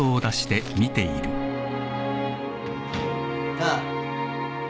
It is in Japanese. ・なあ。